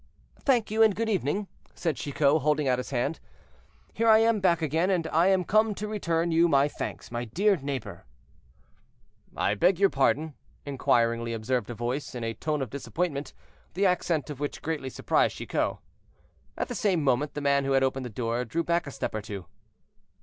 "Thank you, and good evening," said Chicot, holding out his hand; "here I am back again, and I am come to return you my thanks, my dear neighbor." "I beg your pardon," inquiringly observed a voice, in a tone of disappointment, the accent of which greatly surprised Chicot. At the same moment the man who had opened the door drew back a step or two.